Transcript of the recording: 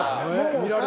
見られてる。